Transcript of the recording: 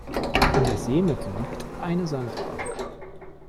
In der Seemitte liegt eine Sandbank.